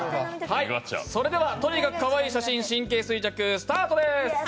それでは、とにかくかわいい写真神経衰弱スタートです。